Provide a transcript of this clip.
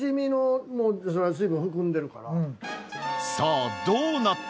さぁどうなった？